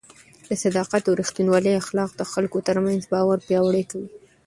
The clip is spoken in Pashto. د صداقت او رښتینولۍ اخلاق د خلکو ترمنځ باور پیاوړی کوي.